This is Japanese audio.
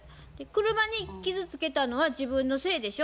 車に傷つけたのは自分のせいでしょ。